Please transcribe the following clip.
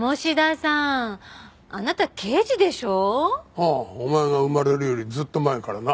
ああお前が生まれるよりずっと前からな。